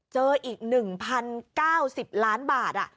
เจออีก๑๐๙๐ล้านบาท